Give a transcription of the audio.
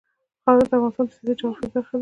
خاوره د افغانستان د سیاسي جغرافیه برخه ده.